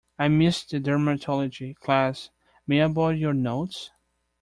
I missed the dermatology class, may I borrow your notes?